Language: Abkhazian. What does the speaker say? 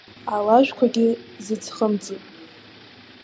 Алажәқәагьы зыӡхымҵит.